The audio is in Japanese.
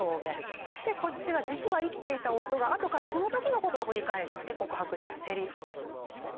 そしてこっちが実は生きていた夫が後からその時のことを振り返って告白したセリフです。